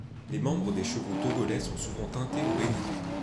Les membres des chevaux togolais sont souvent teintés au henné.